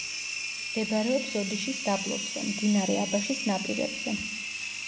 მდებარეობს ოდიშის დაბლობზე, მდინარე აბაშის ნაპირებზე.